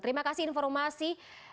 terima kasih informasi